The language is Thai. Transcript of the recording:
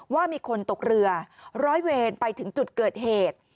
ว่ามีคนตกเรือร้อยเวรไปถึงจุดเกิดเหตุ